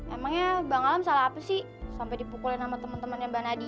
emangnya bang alam salah apa sih sampai dipukulin sama temen temennya mbak nadia